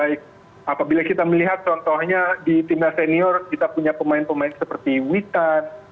dan baik apabila kita melihat contohnya di timnas senior kita punya pemain pemain seperti witan